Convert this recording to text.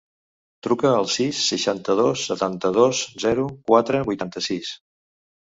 Truca al sis, seixanta-dos, setanta-dos, zero, quatre, vuitanta-sis.